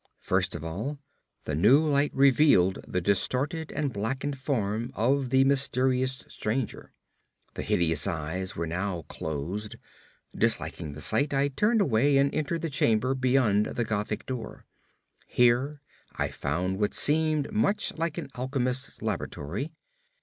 First of all, the new light revealed the distorted and blackened form of the mysterious stranger. The hideous eyes were now closed. Disliking the sight, I turned away and entered the chamber beyond the Gothic door. Here I found what seemed much like an alchemist's laboratory.